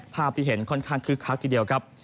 ภาพที่เห็นค่อนข้างคึกคักทีเดียวครับ